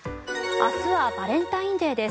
明日はバレンタインデーです。